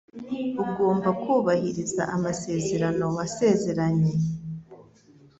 Ugomba kubahiriza amasezerano wasezeranye.